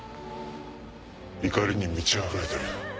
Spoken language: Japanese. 怒りに満ちあふれてる。